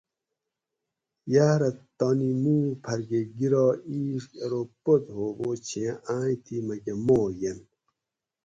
یاۤرہ تانی مُوک پھر کہ گِرا اِیڄ کہ ارو پت ہوبوچھیں آیٔں تھی مکہ ماگ یینت